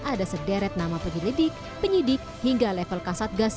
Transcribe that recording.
ada sederet nama penyelidik penyidik hingga level kasat gas